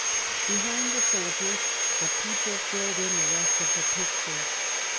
Behind the soldiers the people filled in the rest of the picture.